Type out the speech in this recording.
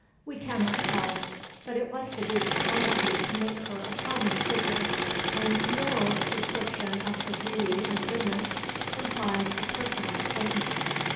We cannot tell; but it was the Duke's policy to make her a prominent figure, and Noailles' description of her beauty and goodness implies a personal acquaintance.